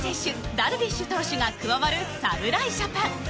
ダルビッシュ投手が加わる侍ジャパン。